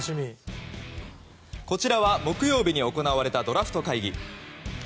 こちらは木曜日に行われたドラフト会議。